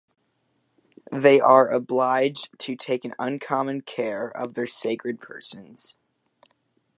They are obliged to take an uncommon care of their sacred persons.